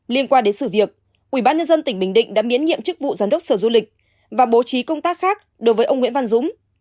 liên quan đến sự việc quỹ ban nhân dân tỉnh bình định đã miễn nhiệm chức vụ giám đốc sở du lịch và bố trí công tác khác đối với ông nguyễn văn dũng